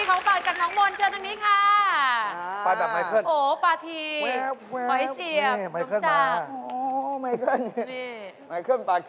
โอ้โหไม่ได้แพงอะไรเนี่ยถูกสุดแล้วเนี่ย